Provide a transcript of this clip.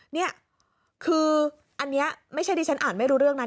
นี่คืออันนี้ไม่ใช่ที่ฉันอ่านไม่รู้เรื่องนั้น